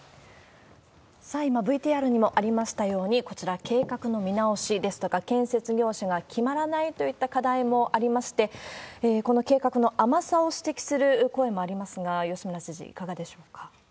さあ、今、ＶＴＲにもありましたように、こちら、計画の見直しですとか、建設業者が決まらないといった課題もありまして、この計画の甘さを指摘する声もありますが、吉村知事、いかがでしょうか？